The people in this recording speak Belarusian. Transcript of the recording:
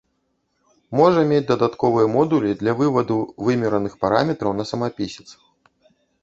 Можа мець дадатковыя модулі для вываду вымераных параметраў на самапісец.